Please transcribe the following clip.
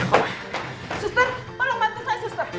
suster tolong bantu saya suster